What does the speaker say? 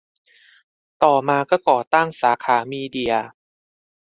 ต่อมาก็ก่อตั้งสาขามีเดีย